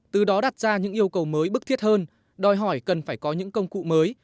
từ đó đặt ra những yêu cầu mới bức thiết hơn đòi hỏi cần phải có những công cụ mới